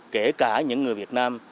kể cả những người việt nam